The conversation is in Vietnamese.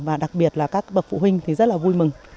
và đặc biệt là các bậc phụ huynh thì rất là vui mừng